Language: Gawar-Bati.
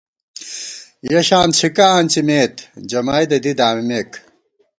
یَہ شان څھِکہ آنڅِمېت، جمائیدہ دی دامِمېک